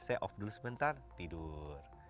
saya off dulu sebentar tidur